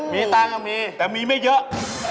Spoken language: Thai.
มีตังค์มีแต่มีไม่เยอะ